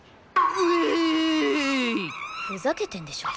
ふざけてんでしょ？